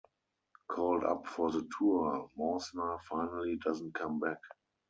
Called up for the tour, Mausna finally doesn't come back.